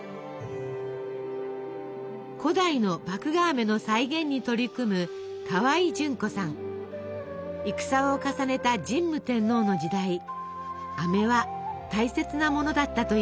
古代の麦芽あめの再現に取り組む戦を重ねた神武天皇の時代あめは大切なものだったといいます。